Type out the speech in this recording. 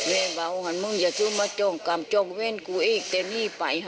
แม่บอกว่ามึงอย่าช่วยมาจงกรรมจงเว้นกูอีกเต็มที่ไป